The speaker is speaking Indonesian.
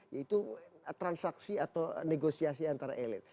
yaitu transaksi atau negosiasi antara elit